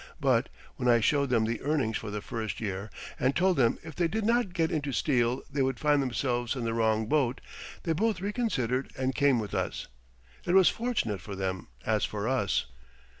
But when I showed them the earnings for the first year and told them if they did not get into steel they would find themselves in the wrong boat, they both reconsidered and came with us. It was fortunate for them as for us.